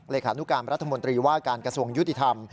ขานุการรัฐมนตรีว่าการกระทรวงยุติธรรม